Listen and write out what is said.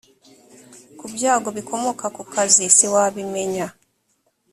ku byago bikomoka ku kazi siwabimenya